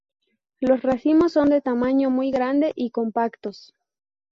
Los racimos son de tamaño muy grande y compactos.